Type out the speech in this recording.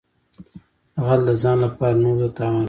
غل د ځان لپاره نورو ته تاوان رسوي